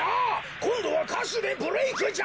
こんどはかしゅでブレークじゃ！